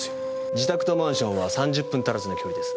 自宅とマンションは３０分足らずの距離です。